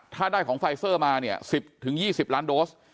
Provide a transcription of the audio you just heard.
ถ้าได้ของไฟเซอร์มาเนี่ย๑๐๒๐ล้านโดส